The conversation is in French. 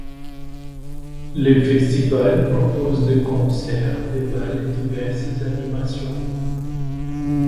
Le festival propose des concerts, des bals et diverses animations.